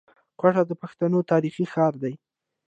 کوټه د پښتنو تاريخي ښار دی.